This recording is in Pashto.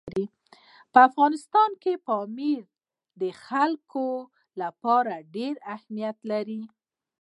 په افغانستان کې پامیر د خلکو لپاره ډېر اهمیت لري.